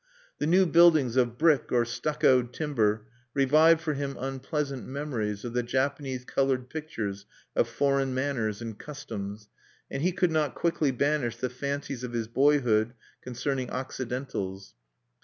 The new buildings of brick or stuccoed timber revived for him unpleasant memories of the Japanese colored pictures of foreign manners and customs; and he could not quickly banish the fancies of his boyhood concerning Occidentals.